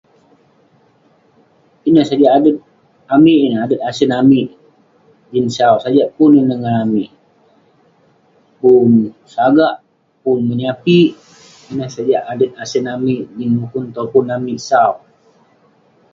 Ineh sajak adet amik ineh, adet asen amik jin sau. Sajak pun ineh ngan amik. Pun sagak, pun menyapik. Ineh sajak adet asen amik jin mukun topun amik sau.